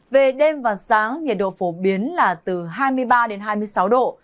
về đêm và sáng nhiệt độ phổ biến là từ hai mươi ba đến hai mươi sáu độ